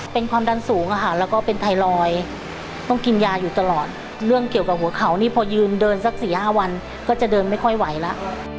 เป็นความดันสูงแล้วก็เป็นไทรอยด์ต้องกินยาอยู่ตลอดเรื่องเกี่ยวกับหัวเขานี่พอยืนเดินสัก๔๕วันก็จะเดินไม่ค่อยไหวแล้ว